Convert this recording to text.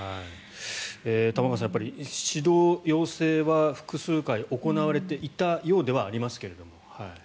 玉川さん、やっぱり指導・要請は複数回行われていたようではありますけども。